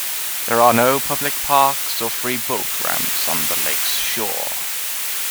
There are no public parks or free boat ramps on the lake's shore.